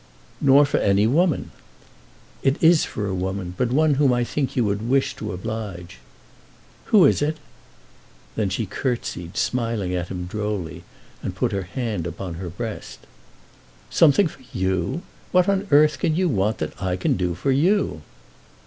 "Nor for any woman." "It is for a woman, but one whom I think you would wish to oblige." "Who is it?" Then she curtseyed, smiling at him drolly, and put her hand upon her breast. "Something for you! What on earth can you want that I can do for you?"